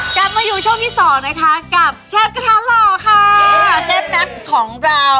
กลับมาอยู่ช่วงที่สองนะคะกับเชฟกระทะหล่อค่ะเชฟแม็กซ์ของเรา